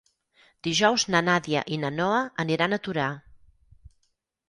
Dijous na Nàdia i na Noa aniran a Torà.